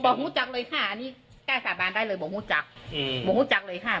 บอกมูจักรเลยค่ะนี่แกสาบานได้เลยบอกมูจักรเลยค่ะ